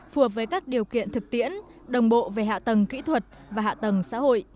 phù hợp với các điều kiện thực tiễn đồng bộ về hạ tầng kỹ thuật và hạ tầng xã hội